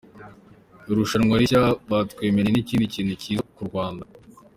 Irushanwa rishya batwemereye ni ikindi kintu cyiza ku Rwanda".